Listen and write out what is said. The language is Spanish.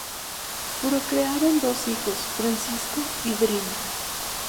Procrearon dos hijos: Francisco y Drina.